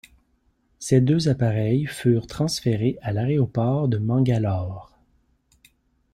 Ces deux appareils furent transférés à l'aéroport de Mangalore.